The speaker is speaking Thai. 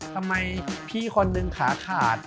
ทำไมพี่คนนึงขาขาด